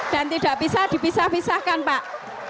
dan tidak bisa dipisah pisahkan pak